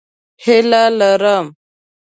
هیله لرم